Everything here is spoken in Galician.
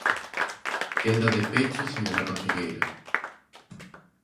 Quenda de peche, señora conselleira.